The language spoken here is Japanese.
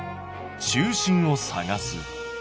「中心を探す」。